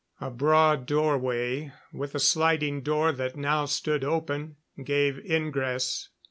A broad doorway, with a sliding door that now stood open, gave ingress.